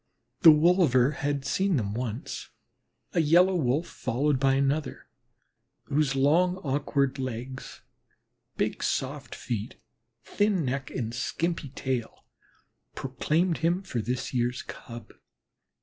The wolver had seen them once a Yellow Wolf followed by another, whose long, awkward legs, big, soft feet, thin neck, and skimpy tail proclaimed him this year's Cub.